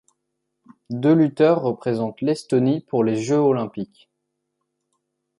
Deux lutteurs représentent l'Estonie pour les Jeux Olympiques.